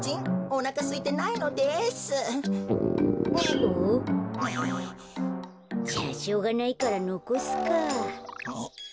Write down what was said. グ。じゃあしょうがないからのこすか。